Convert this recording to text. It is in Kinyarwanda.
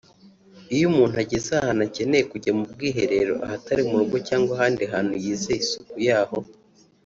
Iyo umuntu ageze ahantu akenera kujya mu bwiherero ahatari mu rugo cyangwa ahandi hantu yizeye isuku yaho